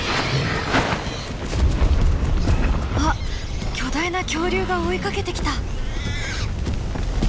あっ巨大な恐竜が追いかけてきた！